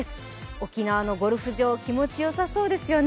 沖縄のゴルフ場、気持ちよさそうですよね。